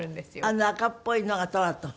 あの赤っぽいのがトマト？